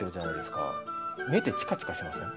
目ってチカチカしません？